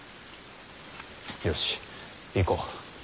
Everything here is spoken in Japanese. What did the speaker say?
よし行こう。